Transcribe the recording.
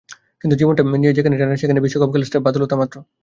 কিন্তু জীবনটা নিয়েই যেখানে টানাটানি, সেখানে বিশ্বকাপ খেলা স্রেফ বাতুলতা মাত্র।